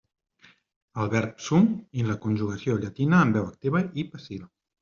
El verb "sum" i la conjugació llatina en veu activa i passiva.